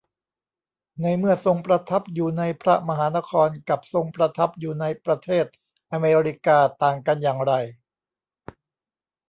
ในเมื่อทรงประทับอยู่ในพระมหานคร กับทรงประทับอยู่ในประเทศอเมริกา ต่างกันอย่างไร